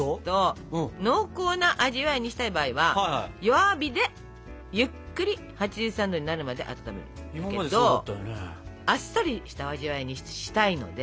濃厚な味わいにしたい場合は弱火でゆっくり８３℃になるまで温めるんだけどあっさりした味わいにしたいので。